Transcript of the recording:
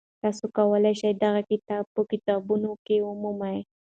تاسو کولی شئ دغه کتاب په کتابتون کي ومومئ.